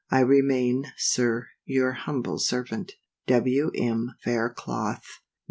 I remain, SIR, your humble servant, WM. FAIRCLOTH. No.